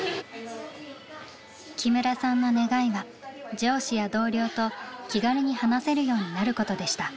木村さんの願いは上司や同僚と気軽に話せるようになることでした。